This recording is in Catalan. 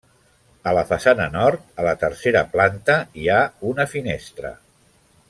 A la façana nord a la tercera planta hi ha una finestra.